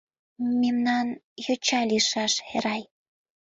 Мемнан... йоча лийшаш, Эрай.